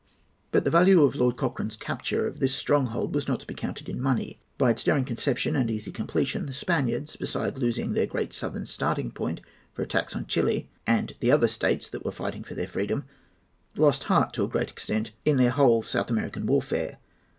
But the value of Lord Cochrane's capture of this stronghold was not to be counted in money. By its daring conception and easy completion the Spaniards, besides losing their great southern starting point for attacks on Chili and the other states that were fighting for their freedom, lost heart, to a great extent, in their whole South American warfare.